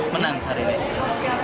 menang hari ini